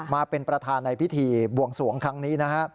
มาเป็นประธานในพิธีบวงสวงครั้งนี้นะฮะ